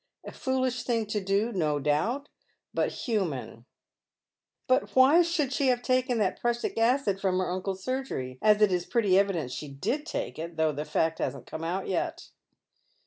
A foolish thing to do, no doubt, but human." " But why should she have taken tliat prussic acid from her uncle's surgery, as it is pretty evident she did take it, though the fact hasn't come out yet?